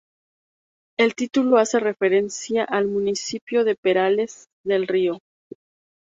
El título hace referencia al municipio de Perales del Río.